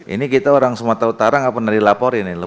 ini kita orang sumatera utara nggak pernah dilaporin